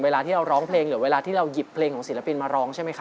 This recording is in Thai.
เวลาที่เราร้องเพลงหรือเวลาที่เราหยิบเพลงของศิลปินมาร้องใช่ไหมครับ